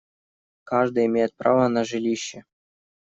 Каждый имеет право на жилище.